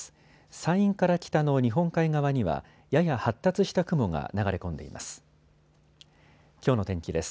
山陰から北の日本海側にはやや発達した雲が流れ込んでいます。